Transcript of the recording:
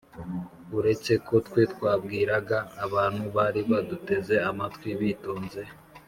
Uretse ko twe twabwiraga abantu bari baduteze amatwi bitonze